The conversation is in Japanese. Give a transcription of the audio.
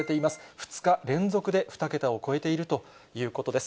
２日連続で２桁を超えているということです。